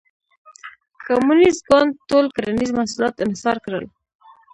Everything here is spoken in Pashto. کمونېست ګوند ټول کرنیز محصولات انحصار کړل.